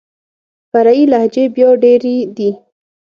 فرعي لهجې بيا ډېري دي.